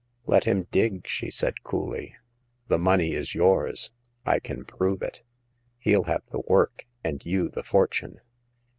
.Let him dig," she said, coolly. The money is yours ; I can prove it. He'll have the work and you the fortune."